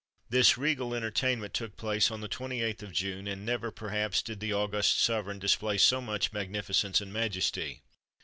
This regal entertainment took place on the 28th of June, and never, perhaps, did the august sovereign display so much magnificence and majesty.